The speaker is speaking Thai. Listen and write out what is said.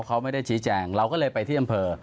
เขาไม่ได้ชี้แจงเราก็เลยไปที่อำเภอ